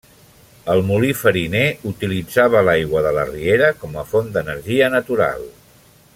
El molí fariner utilitzava l'aigua de la riera com a font d'energia natural.